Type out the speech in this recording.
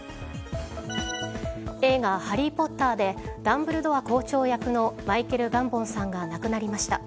映画「ハリー・ポッター」でダンブルドア校長役のマイケル・ガンボンさんが亡くなりました。